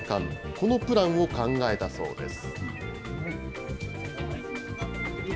このプランを考えたそうです。